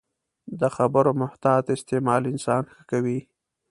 د خبرو محتاط استعمال انسان ښه کوي